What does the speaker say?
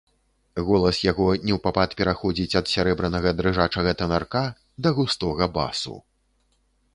Голас яго неўпапад пераходзіць ад сярэбранага дрыжачага тэнарка да густога басу.